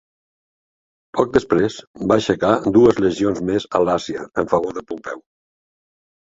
Poc després va aixecar dues legions més a l'Àsia en favor de Pompeu.